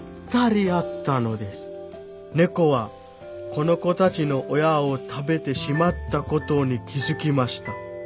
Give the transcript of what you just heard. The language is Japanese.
猫はこの子たちの親を食べてしまったことに気付きました。